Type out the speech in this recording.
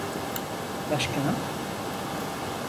Başkanım.